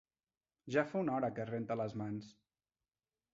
Ja fa una hora que es renta les mans.